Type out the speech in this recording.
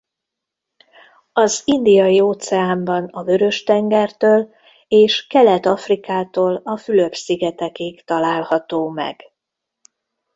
Az Indiai-óceánban a Vörös-tengertől és Kelet-Afrikától a Fülöp-szigetekig található meg.